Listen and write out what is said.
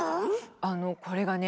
あのこれがね